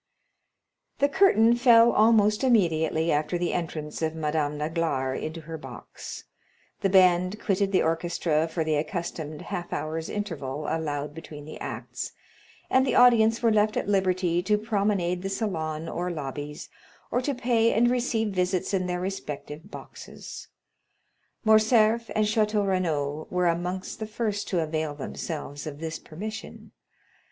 The curtain fell almost immediately after the entrance of Madame Danglars into her box, the band quitted the orchestra for the accustomed half hour's interval allowed between the acts, and the audience were left at liberty to promenade the salon or lobbies, or to pay and receive visits in their respective boxes. Morcerf and Château Renaud were amongst the first to avail themselves of this permission.